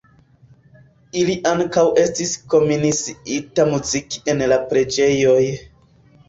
Ili ankaŭ estis komisiita muziki en la preĝejoj.